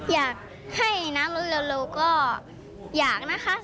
อยากให้น้ำลดเร็วก็อยากนะคะ